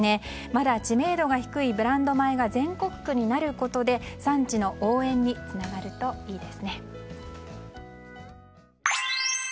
まだ知名度が低いブランド米が全国区になることで産地の応援につながるといいですね。